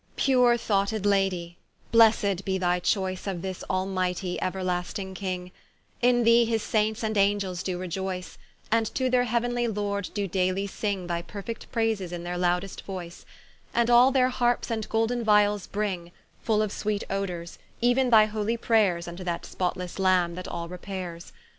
¶ Pure thoughted Lady, blessed be thy choyce Of this Almightie, euerlasting King; In thee his Saints and Angels doe reioyce, And to their Heau'nly Lord doe daily sing Thy perfect praises in their lowdest voyce; And all their harpes and golden vials bring Full of sweet odours, euen thy holy prayers Vnto that spotlesse Lambe, that all repaires.